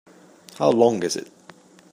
How long is it?